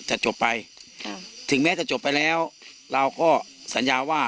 จบไปถึงแม้จะจบไปแล้วเราก็สัญญาว่า